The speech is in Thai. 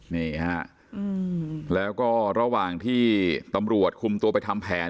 นี่ฮะแล้วก็ระหว่างที่ตำรวจคุมตัวไปทำแผน